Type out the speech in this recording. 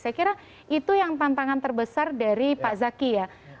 saya kira itu yang tantangan terbesar dari pak zaki ya